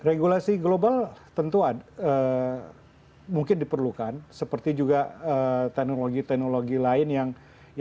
regulasi global tentuan mungkin diperlukan seperti juga teknologi teknologi lain yang memiliki teknologi yang berbeda